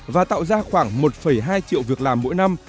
và tạo ra khoảng một hai triệu việc làm mỗi năm